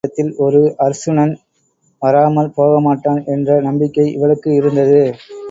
அந்தணர் வேடத்தில் ஒரு அருச்சுனன் வராமல் போகமாட்டான் என்ற நம்பிக்கை அவளுக்கு இருந்தது.